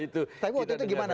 tapi waktu itu gimana